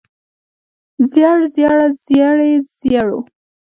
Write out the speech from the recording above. زېړ زېړه زېړې زېړو